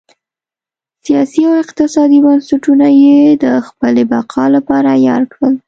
سیاسي او اقتصادي بنسټونه یې د خپلې بقا لپاره عیار کړل.